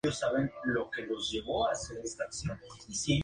En esta película, Raúl Juliá interpreta al villano M. Bison.